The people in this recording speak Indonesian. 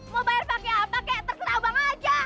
mau bayar pake apa kek terserah obang aja